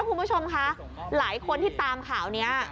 คุณผู้ชมคะหลายคนที่ตามข่าวนี้